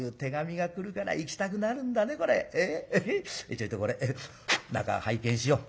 ちょいとこれ中拝見しよう。